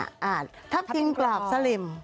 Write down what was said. อาหารทับจิ้งกรอบสลิม